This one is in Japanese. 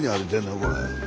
これ。